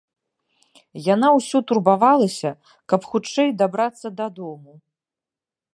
Яна ўсё турбавалася, каб хутчэй дабрацца дадому.